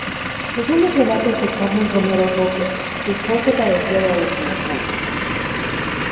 Según los relatos de Carmen Romero Rubio, su esposo padecía de alucinaciones.